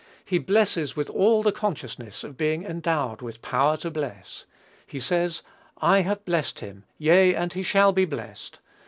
He blesses with all the consciousness of being endowed with power to bless. He says, "I have blessed him; yea, and he shall be blessed....